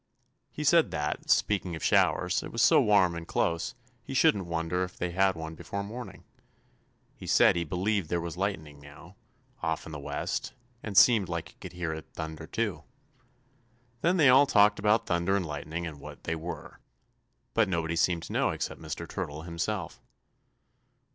He said that, speaking of showers, it was so warm and close, he shouldn't wonder if they had one before morning. He said he believed there was lightning now, off in the west, and seemed like he could hear it thunder, too. Then they all talked about thunder and lightning and what they were. But nobody seemed to know except Mr. Turtle himself.